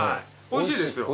おいしいですよ。